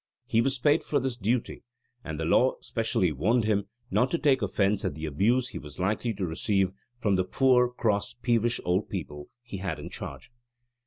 He was paid for this duty; and the law specially warned him not to take offence at the abuse he was likely to receive from the poor cross peevish old people he had in charge.